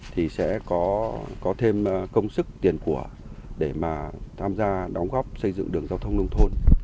thì sẽ có thêm công sức tiền của để mà tham gia đóng góp xây dựng đường giao thông nông thôn